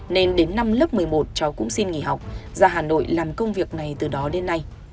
nên đến năm lớp một mươi một cháu cũng xin nghỉ học ra hà nội làm công việc này từ đó đến nay